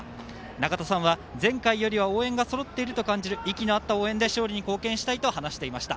永田さんは前回よりも応援がそろっていると感じる息の合った応援で勝利に貢献したいと話していました。